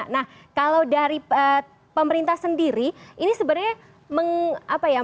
nah kalau dari pemerintah sendiri ini sebenarnya mengapa ya